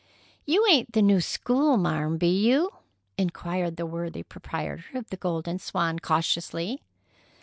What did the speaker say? "You ain't the new schoolmarm, be you?" inquired the worthy proprietor of the Golden Swan cautiously.